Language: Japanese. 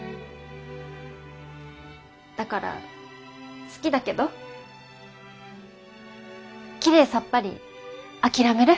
だから好きだけどきれいさっぱり諦める。